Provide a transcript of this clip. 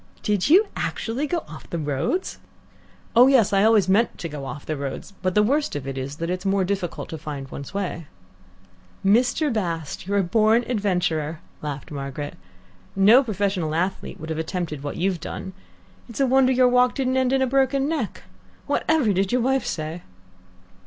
"Did you actually go off the roads?" "Oh yes. I always meant to go off the roads, but the worst of it is that it's more difficult to find one's way." "Mr. Bast, you're a born adventurer," laughed Margaret. "No professional athlete would have attempted what you've done. It's a wonder your walk didn't end in a broken neck. Whatever did your wife say?"